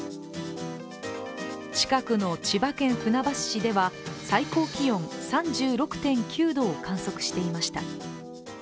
近くの千葉県船橋市では最高気温３６．９度を観測していました。